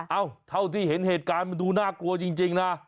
เอ้าเท่าที่เห็นเหตุการณ์มันดูน่ากลัวจริงนะ